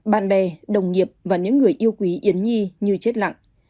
bạn bè đồng nghiệp và những người yêu quý yến nhi như chết lặng